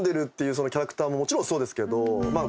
キャラクターももちろんそうですけどまあ